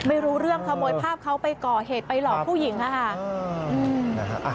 ไม่รู้เรื่องขโมยภาพเขาไปก่อเหตุไปหลอกผู้หญิงค่ะ